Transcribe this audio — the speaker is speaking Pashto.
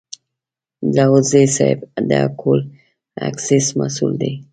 داوودزی صیب د اکول اکسیس مسوول دی.